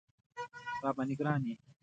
راباندې ګران یې